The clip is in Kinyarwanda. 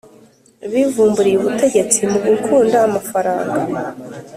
bivumburiye ubutegetsi mugukunda amafaranga